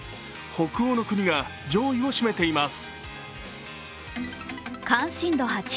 北欧の国が上位を占めています。